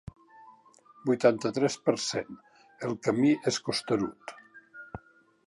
Vuitanta-tres per cent El camí és costerut.